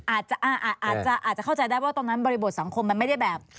อาจจะอาจจะเข้าใจได้ว่าตรงนั้นบริบทสังคมมันไม่ได้แบบ